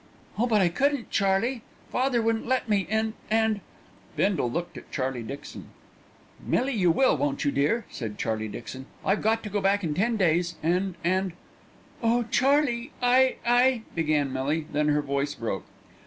"Oh! but I couldn't, Charlie. Father wouldn't let me, and and " Bindle looked at Charlie Dixon. "Millie, you will, won't you, dear?" said Charlie Dixon. "I've got to go back in ten days, and and " "Oh, Charlie, I I " began Millie, then her voice broke.